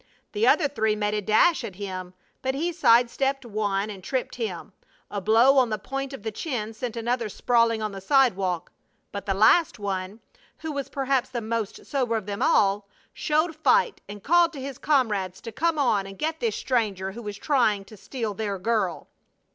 The other three made a dash at him, but he side stepped one and tripped him; a blow on the point of the chin sent another sprawling on the sidewalk; but the last one, who was perhaps the most sober of them all, showed fight and called to his comrades to come on and get this stranger who was trying to steal their girl.